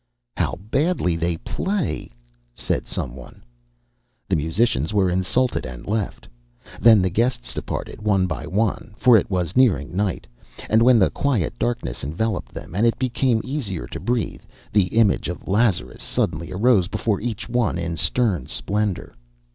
"How badly they play!" said some one. The musicians were insulted and left. Then the guests departed one by one, for it was nearing night. And when the quiet darkness enveloped them, and it became easier to breathe, the image of Lazarus suddenly arose before each one in stern splendour.